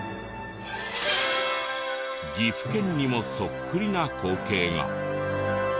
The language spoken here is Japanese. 岐阜県にもそっくりな光景が。